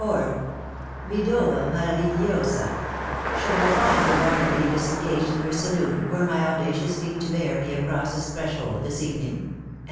4. " VEDOVA MARAV1GLI0SA !" Should I find the Barnaby disengaged in her saloon, were my audacious feet to bear me across its threshold this evening